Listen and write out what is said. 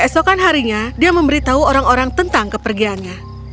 esokan harinya dia memberitahu orang orang tentang kepergiannya